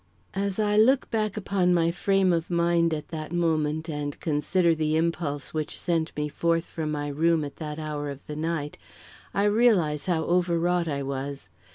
As I look back upon my frame of mind at that moment and consider the impulse which sent me forth from my room at that hour of the night, I realise how overwrought I was.